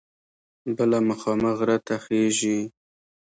بله مخامخ غره ته خیژي.